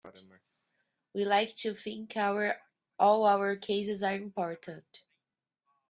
We like to think all our cases are important.